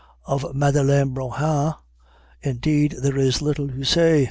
Of Madeleine Brohan, indeed, there is little to say.